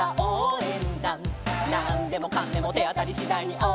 「なんでもかんでもてあたりしだいにおうえんだ！！」